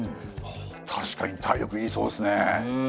確かに体力いりそうですね。